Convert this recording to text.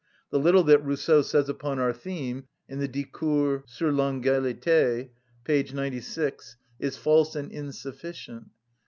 The little that Rousseau says upon our theme in the "Discours sur l'inégalité" (p. 96, ed. Bip.) is false and insufficient.